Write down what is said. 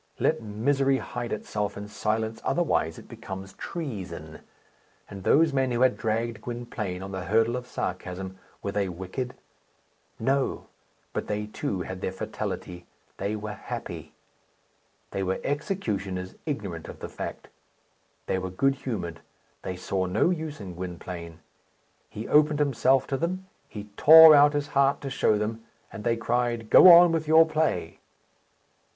Let misery hide itself in silence, otherwise it becomes treason. And those men who had dragged Gwynplaine on the hurdle of sarcasm, were they wicked? No; but they, too, had their fatality they were happy. They were executioners, ignorant of the fact. They were good humoured; they saw no use in Gwynplaine. He opened himself to them. He tore out his heart to show them, and they cried, "Go on with your play!"